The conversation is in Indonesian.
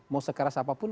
mau sekeras apapun